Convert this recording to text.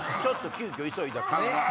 急きょ急いだ感が。